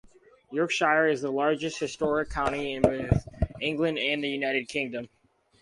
Yorkshire is the largest historic county in both England and the United Kingdom.